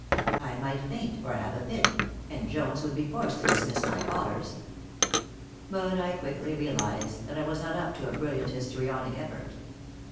I might faint, or have a fit, and Jones would be forced to dismiss my callers. But I quickly realized that I was not up to a brilliant histrionic effort.